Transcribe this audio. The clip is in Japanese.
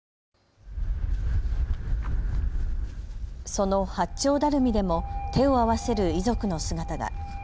その八丁ダルミでも手を合わせる遺族の姿が。